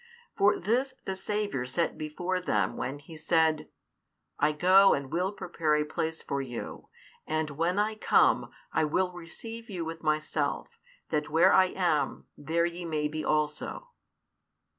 For this the Saviour set before them when He said, I go and will prepare a place for you; and when I come, I will receive you with Myself; that where I am, there ye may be also.